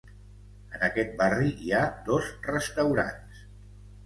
En aquest barri hi ha dos restaurants.